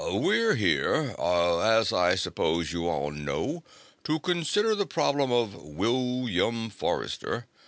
"We're here, as I suppose you all know, to consider the problem of William Forrester.